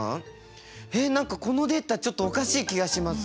えっ何かこのデータちょっとおかしい気がします。